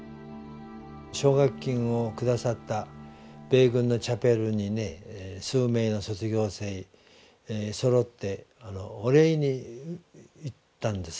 奨学金を下さった米軍のチャペルにね数名の卒業生そろってお礼に行ったんです。